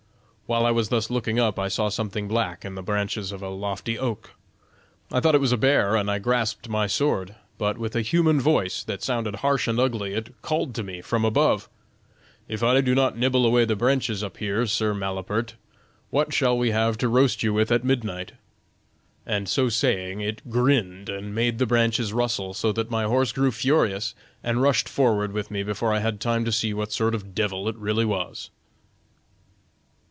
While I was thus looking up I saw something black in the branches of a lofty oak. I thought it was a bear and I grasped my sword; but with a human voice, that sounded harsh and ugly, it called to me from above: 'If I do not nibble away the branches up here, Sir Malapert, what shall we have to roast you with at midnight?' And so saying it grinned and made the branches rustle, so that my horse grew furious and rushed forward with me before I had time to see what sort of a devil it really was."